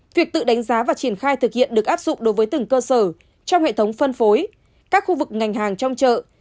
việc tự đánh giá và triển khai thực hiện được áp dụng đối với từng cơ sở trong hệ thống phân phối các khu vực ngành hàng trong chợ